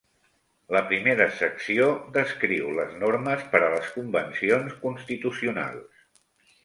La primera secció descriu les normes per a les convencions constitucionals.